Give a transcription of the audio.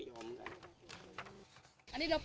อันนี้แบตใจไหมที่เขาปิด